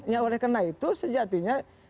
ya oleh karena itu sejatinya